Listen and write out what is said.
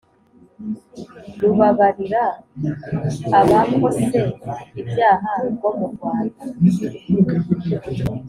rubabarira abakose ibyaha rwo murwanda